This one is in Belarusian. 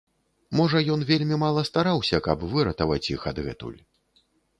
Можа ён вельмі мала стараўся, каб выратаваць іх адгэтуль!